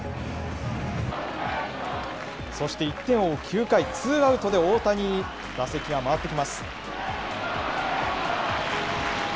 そして、１点を追う９回、ツーアウトで大谷に打席が回ってきます。